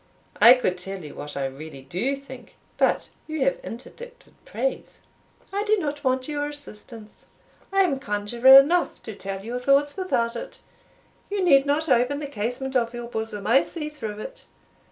I could tell you what I really do think, but you have interdicted praise." "I do not want your assistance. I am conjuror enough to tell your thoughts without it. You need not open the casement of your bosom; I see through it.